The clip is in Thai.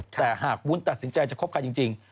แต่หากวุ้นตัดสินใจจะคบกันจริง